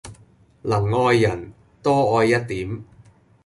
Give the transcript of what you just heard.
能愛人，多愛一點。